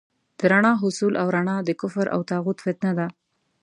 د رڼا حصول او رڼا د کفر او طاغوت فتنه ده.